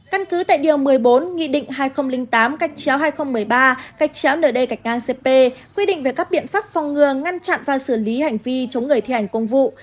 căn cứ tại điều một mươi bốn nghị định hai nghìn tám hai nghìn một mươi ba cách chéo nở đê cạch ngang cp quy định về các biện pháp phòng ngừa ngăn chặn và xử lý hành vi chống người thi hành công vụ